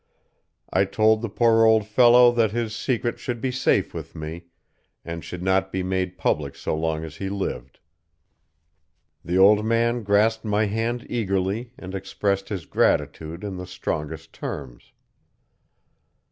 "I told the poor old fellow that his secret should be safe with me, and should not be made public so long as he lived. The old man grasped my hand eagerly and expressed his gratitude in the strongest terms.